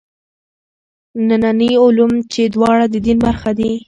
ننني علوم چې دواړه د دین برخه دي.